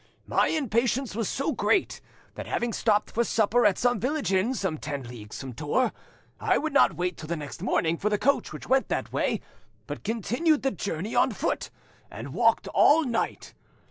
My impatience was so great, that, having stopped for supper at a village inn some ten leagues from Tours, I would not wait till the next morning for the coach which went that way, but continued the journey on foot and walked all night.